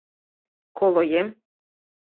Колоем